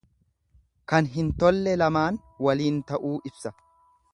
Kan hin tolle lamaan waliin ta'uu ibsa.